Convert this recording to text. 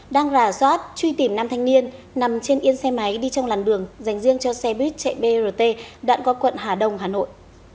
đang rà soát truy tìm năm thanh niên nằm trên yên xe máy đi trong làn đường dành riêng cho xe buýt chạy brt đoạn qua quận hà đông hà nội